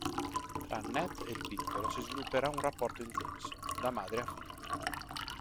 Tra Annette e il piccolo si svilupperà un rapporto intenso, da madre a figlio.